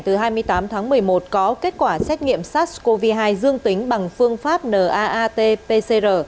từ hai mươi tám tháng một mươi một có kết quả xét nghiệm sars cov hai dương tính bằng phương pháp naat pcr